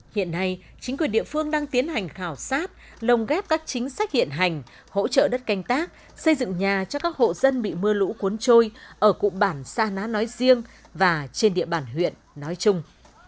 hiện nay chính quyền địa phương đang tiến hành khảo sát lồng ghép các chính sách hiện hành hỗ trợ đất canh tác xây dựng nhà cho các hộ dân bị mưa lũ cuốn trôi ở cụm bản sa ná nói riêng và trên địa bàn huyện nói chung